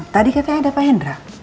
tadi katanya ada pak hendra